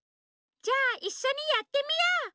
じゃあいっしょにやってみよう！